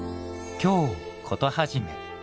「京コトはじめ」。